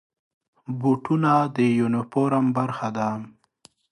بوټونه د یونیفورم برخه ده.